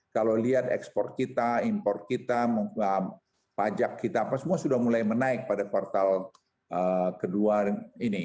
kalau lihat ekspor kita import kita pajak kita apa semua sudah mulai menaik pada kuartal kedua ini